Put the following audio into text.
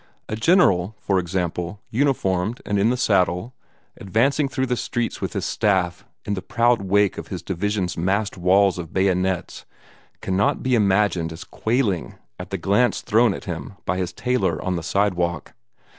A general, for example, uniformed and in the saddle, advancing through the streets with his staff in the proud wake of his division's massed walls of bayonets, cannot be imagined as quailing at the glance thrown at him by his tailor on the sidewalk.